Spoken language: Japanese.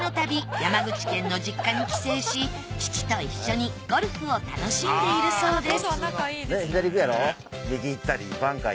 山口県の実家に帰省し父と一緒にゴルフを楽しんでいるそうです